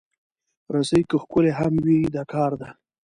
رسۍ که ښکلې هم وي، د کار ده.